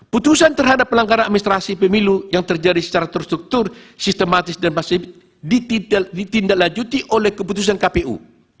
putusan terhadap pelanggaran administrasi pemilu yang terjadi secara terstruktur sistematis dan masif ditindaklanjuti oleh keputusan kpu